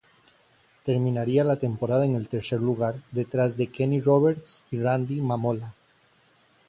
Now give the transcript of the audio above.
Terminaría la temporada en el tercer lugar detrás de Kenny Roberts y Randy Mamola.